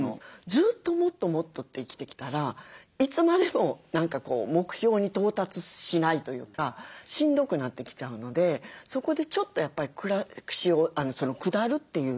ずっともっともっとって生きてきたらいつまでも目標に到達しないというかしんどくなってきちゃうのでそこでちょっとやっぱり暮らしを下るという意味。